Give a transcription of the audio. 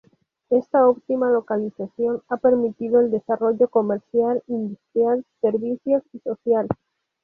Esta óptima localización ha permitido el desarrollo comercial, industrial, servicios, y social.